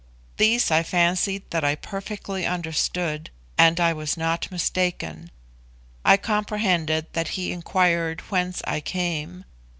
These I fancied that I perfectly understood, and I was not mistaken. I comprehended that he inquired whence I came.